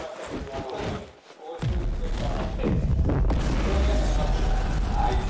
あそこに王室メンバーが来て、それを皆さんが待っております。